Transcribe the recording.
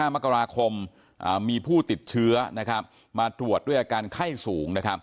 มกราคมมีผู้ติดเชื้อมาตรวจด้วยอาการไข้สูง